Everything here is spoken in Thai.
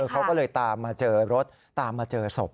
เขาก็เลยตามมาเจอรถตามมาเจอศพ